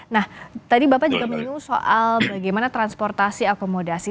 nah tadi bapak juga menyinggung soal bagaimana transportasi akomodasi